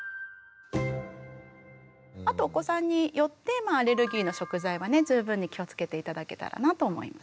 あとお子さんによってまあアレルギーの食材はね十分に気をつけて頂けたらなと思います。